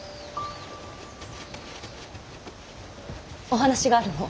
お話があるの。